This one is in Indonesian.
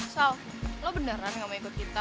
so lo beneran gak mau ikut kita